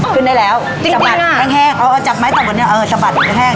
ขึ้นได้แล้วจริงจังอ่ะแก้งใช้สำมือข้อมือแรง